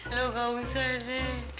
lo gak usah deh